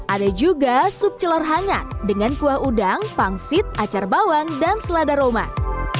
ada juga sup celor hangat dengan kuah udang pangsit acar bawang dan selada roman